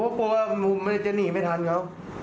ผมกลัวว่ามันจะหนีไม่ทันเขา